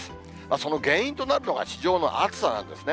その原因となるのが地上の暑さなんですね。